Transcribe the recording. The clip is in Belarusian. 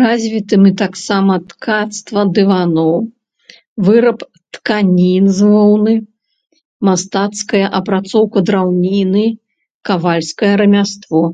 Развітымі таксама ткацтва дываноў, выраб тканін з воўны, мастацкая апрацоўка драўніны, кавальскае рамяство.